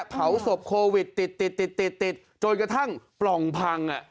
เผาศพโควิดติดติดจนกระทั่งปล่องพัง